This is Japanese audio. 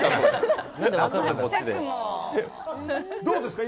どうですか？